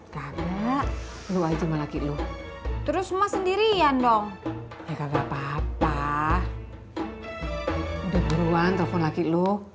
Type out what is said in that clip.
lalu aja lagi loh terus mah sendiri ian dong ya nggak apa apa udah duluan telepon lagi loh